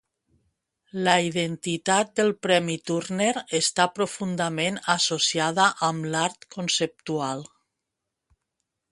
La identitat del premi Turner està profundament associada amb l'art conceptual.